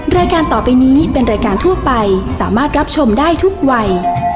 รายการต่อไปนี้เป็นรายการทั่วไปสามารถรับชมได้ทุกวัย